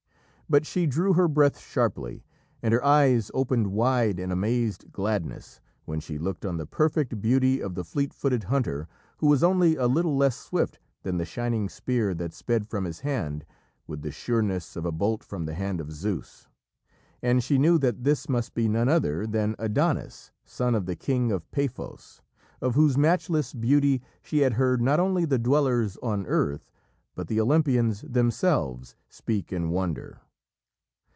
But she drew her breath sharply, and her eyes opened wide in amazed gladness, when she looked on the perfect beauty of the fleet footed hunter, who was only a little less swift than the shining spear that sped from his hand with the sureness of a bolt from the hand of Zeus. And she knew that this must be none other than Adonis, son of the king of Paphos, of whose matchless beauty she had heard not only the dwellers on earth, but the Olympians themselves speak in wonder.